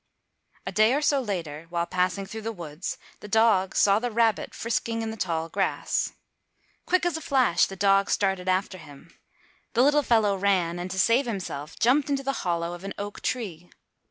A day or so later while passing through the woods the dog saw the rabbit frisking in the tall grass. Quick as a flash the dog started after him. The little fellow ran and, to save himself, jumped into the hollow of an oak tree.